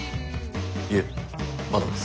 いえまだです。